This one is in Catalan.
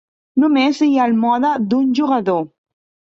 Només hi ha el mode d'un jugador.